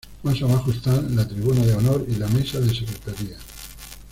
Más abajo están la Tribuna de Honor y la Mesa de Secretaría.